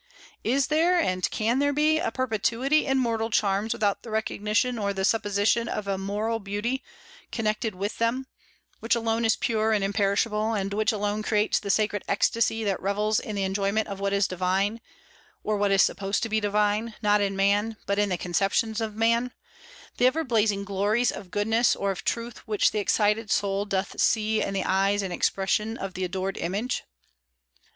Is there, and can there be, a perpetuity in mortal charms without the recognition or the supposition of a moral beauty connected with them, which alone is pure and imperishable, and which alone creates the sacred ecstasy that revels in the enjoyment of what is divine, or what is supposed to be divine, not in man, but in the conceptions of man, the ever blazing glories of goodness or of truth which the excited soul doth see in the eyes and expression of the adored image?